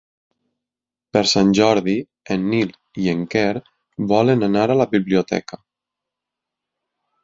Per Sant Jordi en Nil i en Quer volen anar a la biblioteca.